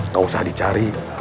gak usah dicari